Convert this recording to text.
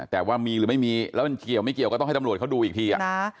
แต่ว่ามีหรือไม่มีแล้วมันเกี่ยวไม่เกี่ยวก็ต้องให้ตำรวจเขาดูอีกทีอ่ะ